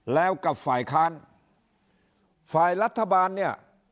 แล้วกับฝ่ายค้านฝ่ายรัฐบาลเนี่ย